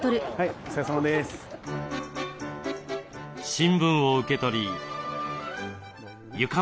新聞を受け取り床も掃除。